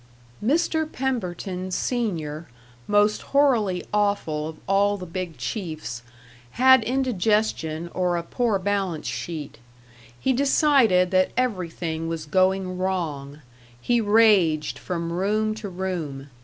Mr. Pemberton, senior, most hoarily awful of all the big chiefs, had indigestion or a poor balance sheet. He decided that everything was going wrong. He raged from room to room.